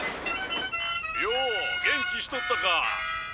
よお元気しとったか。